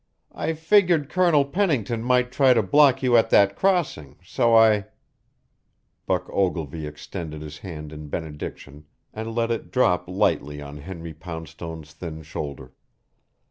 I figured Colonel Pennington might try to block you at that crossing so I " Buck Ogilvy extended his hand in benediction and let it drop lightly on Henry Poundstone's thin shoulder.